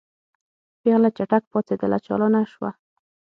پېغله چټک پاڅېدله چالانه شوه.